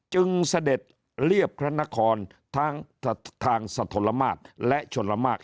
จึงเสด็จเรียบพระนครทางสธลมากและทางชลมาก